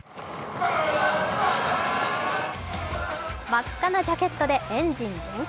真っ赤なジャケットでエンジン全開。